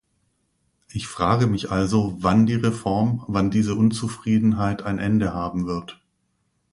Ich frage mich also, wann die Reform, wann diese Unzufriedenheit ein Ende haben wird.